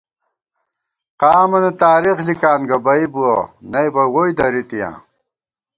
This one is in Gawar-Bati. قامَنہ تارېخ لِکان گہ بئ بُوَہ نئ بہ ووئی درِی تِیاں